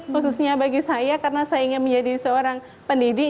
khususnya bagi saya karena saya ingin menjadi seorang pendidik